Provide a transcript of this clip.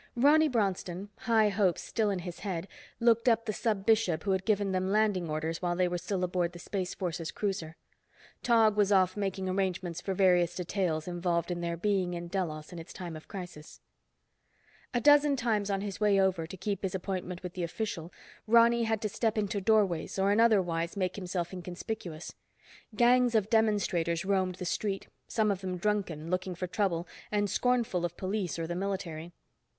Ronny Bronston, high hopes still in his head, looked up the Sub Bishop who had given them landing orders while they were still aboard the Space Forces cruiser. Tog was off making arrangements for various details involved in their being in Delos in its time of crisis. A dozen times, on his way over to keep his appointment with the official, Ronny had to step into doorways, or in other wise make himself inconspicuous. Gangs of demonstrators roamed the street, some of them drunken, looking for trouble, and scornful of police or the military.